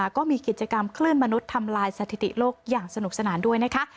ก็มีกิจกรรมคลื่นมนุษย์ทำลายสถิติโลกอย่างสนุกสนานด้วยนะคะ